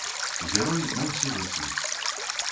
Герой на ўсе вякі!